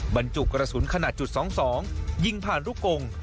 บรรจุกกระสุนขนาดจุดสองสองยิงผ่านลูกกลง